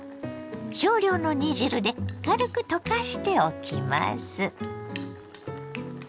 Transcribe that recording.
少量の煮汁で軽く溶かしておきます。